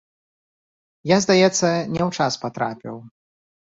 Я, здаецца, не ў час патрапіў.